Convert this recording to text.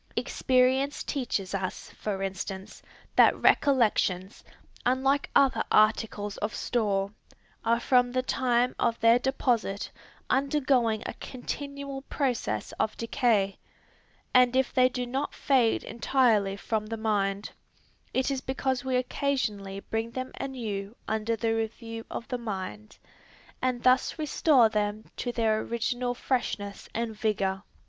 Experience teaches us, for instance, that recollections, unlike other articles of store, are from the time of their deposit undergoing a continual process of decay, and if they do not fade entirely from the mind, it is because we occasionally bring them anew under the review of the mind, and thus restore them to their original freshness and vigor.